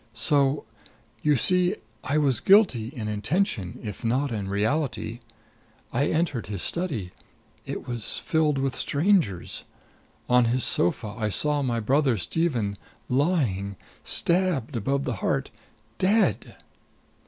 So, you see, I was guilty in intention if not in reality. I entered his study. It was filled with strangers. On his sofa I saw my brother Stephen lying stabbed above the heart dead!"